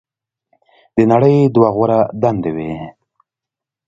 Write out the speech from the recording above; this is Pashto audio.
"د نړۍ دوه غوره دندې وې.